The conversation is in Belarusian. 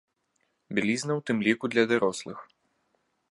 Бялізна, у тым ліку, для дарослых.